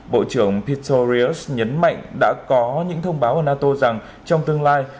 bộ trưởng tittorius nhấn mạnh đã có những thông báo ở nato rằng trong tương lai